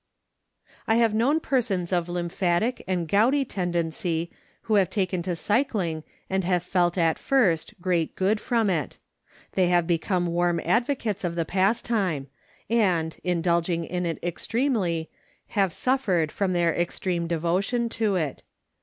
I have known persons of lymphatic and gouty tendency who have taken to cycling and have felt at first great good from it. They have become warm advocates of the pastime and, indulging in it extremely, have suffered from their extreme devotion to it.